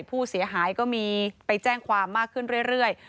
ผู้เสียหายก็มีไปแจ้งความมากขึ้นเรื่อย